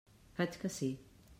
Faig que sí.